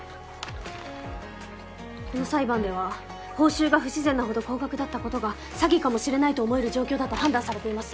この裁判では報酬が不自然なほど高額だったことが詐欺かもしれないと思える状況だと判断されています。